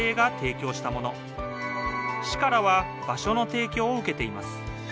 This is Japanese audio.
市からは場所の提供を受けています